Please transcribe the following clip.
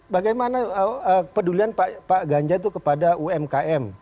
bagaimana kepedulian pak ganjar itu kepada umkm